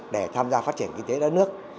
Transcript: để tham gia phát triển kinh tế đất nước